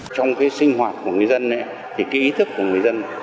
trong cái sinh hoạt của người dân thì cái ý thức của người dân